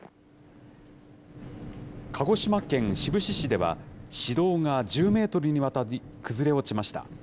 鹿児島県志布志市では、市道が１０メートルにわたり崩れ落ちました。